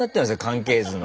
関係図の。